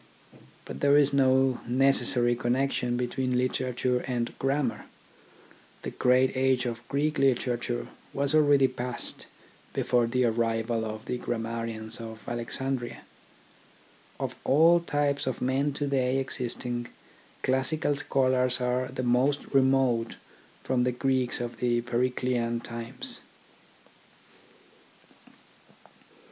But there is no necessary connection between literature and grammar. The great age of Greek literature was already past before the arrival of the grammarians of Alexandria. Of all types of men to day existing, classical scholars are the most remote from the Greeks of the Periclean times.